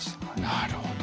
なるほど。